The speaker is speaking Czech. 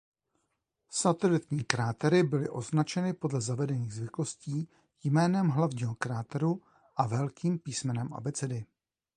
Satelitní krátery byly označeny podle zavedených zvyklostí jménem hlavního kráteru a velkým písmenem abecedy.